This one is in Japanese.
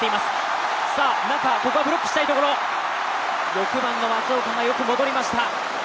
６番の松岡がよく戻りました